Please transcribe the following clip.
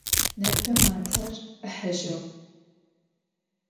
Nêpe mater ıhıjığ.